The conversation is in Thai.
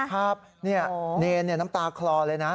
ครับเนรน้ำตาคลอเลยนะ